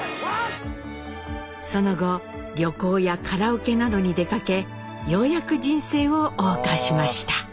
その後旅行やカラオケなどに出かけようやく人生を謳歌しました。